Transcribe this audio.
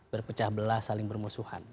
berpecah belah saling bermusuhan